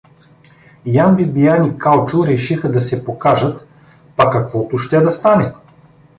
Ян Бибиян и Калчо решиха да се покажат, па каквото ще да стане.